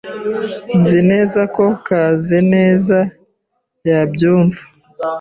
Nzi neza ko Kazeneza yabyumva.